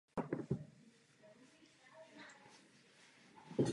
Jde-li o zpochybnění acquis communautaire, máme mnoho obav.